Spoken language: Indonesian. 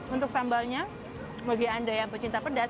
untuk sambalnya bagi anda yang pecinta pedas